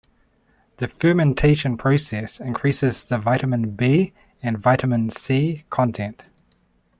The fermentation process increases the vitamin B and vitamin C content.